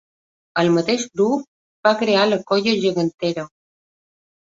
El mateix grup va crear la colla gegantera.